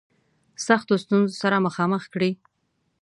سختو ستونزو سره مخامخ کړي.